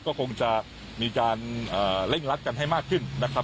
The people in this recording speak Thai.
ก็คงจะมีการเร่งรัดกันให้มากขึ้นนะครับ